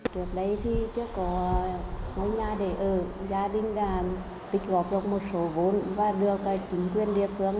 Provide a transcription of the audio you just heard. trước đây thì chưa có ngôi nhà để ở gia đình đã tích góp được một số vốn và được chính quyền địa phương